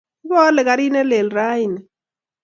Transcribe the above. Ipaale karit nelel raini